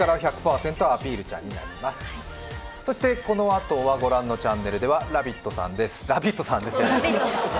このあとは御覧のチャンネルでは「ラヴィット！」です。